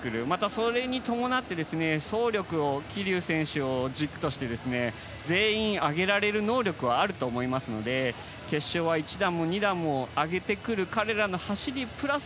それに伴って走力を桐生選手を軸として全員、上げられる能力はあると思いますので決勝は１段も２段も上げてくる、彼らの走りプラス